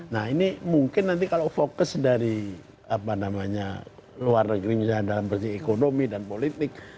nah ini mungkin nanti kalau fokus dari apa namanya luar negeri misalnya dalam ekonomi dan politik